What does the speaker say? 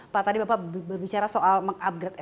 pak tadi bapak berbicara soal mengupgrade